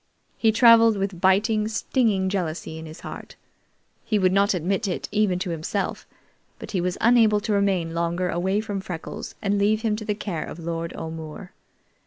He traveled with biting, stinging jealousy in his heart. He would not admit it even to himself, but he was unable to remain longer away from Freckles and leave him to the care of Lord O'More.